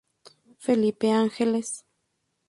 Felipe Ángeles.